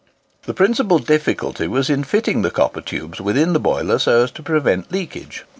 The principal difficulty was in fitting the copper tubes within the boiler so as to prevent leakage.